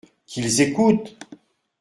Qu’ils écoutent !